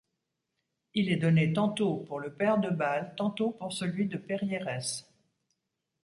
Il est donné tantôt pour le père d’Œbale, tantôt pour celui de Périérès.